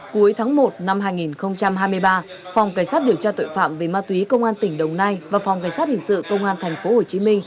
cuối tháng một năm hai nghìn hai mươi ba phòng cảnh sát điều tra tội phạm về ma túy công an tỉnh đồng nai và phòng cảnh sát hình sự công an tp hcm